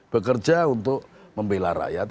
bekerja untuk membela rakyat